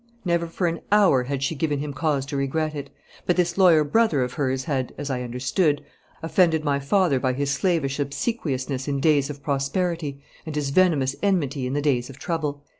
Never for an hour had she given him cause to regret it; but this lawyer brother of hers had, as I understood, offended my father by his slavish obsequiousness in days of prosperity and his venomous enmity in the days of trouble.